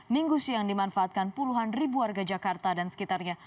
minggu siang dimanfaatkan puluhan ribu warga jakarta dan sekitarnya